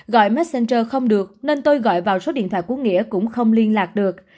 gọi messenger không được nên tôi gọi vào số điện thoại của nghĩa cũng không liên lạc được